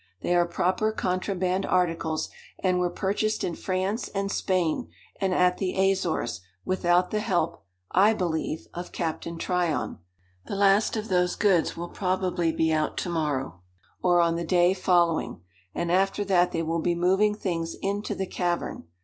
They are proper contraband articles, and were purchased in France and Spain and at the Azores, without the help, I believe, of Captain Tryon. The last of those goods will probably be out to morrow, or on the day following, and after that they will be moving things into the cavern.